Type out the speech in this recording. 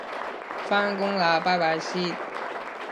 返工喇拜拜先